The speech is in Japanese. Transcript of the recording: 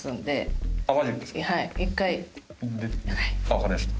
わかりました。